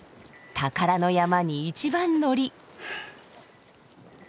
宝の山に一番乗り！